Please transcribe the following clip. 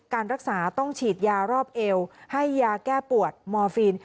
การรักษาต้องฉีดยารอบเอวให้ยาแก้ปวดมอร์ฟีน